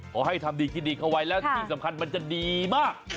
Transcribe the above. ขอให้ทำดีคิดดีเข้าไว้แล้วที่สำคัญมันจะดีมาก